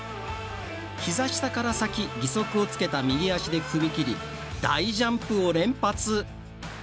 ひざ下から先義足をつけた右足で踏み切り大ジャンプを連発。